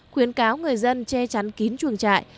khuyến cáo người dân che chắn kín chuồng trại